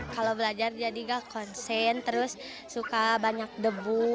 kalau belajar jadi gak konsen terus suka banyak debu